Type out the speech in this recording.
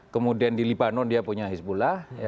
kemudian di libanon dia punya hizbullah